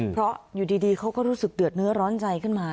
เพราะอยู่ดีเขาก็รู้สึกเดือดเนื้อร้อนใจขึ้นมา